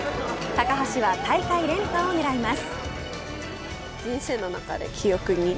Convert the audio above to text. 高橋は大会連覇を狙います。